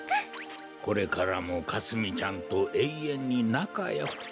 これからもかすみちゃんとえいえんになかよくって。